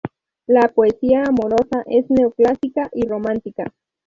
La poesía amorosa es neoclásica y romántica.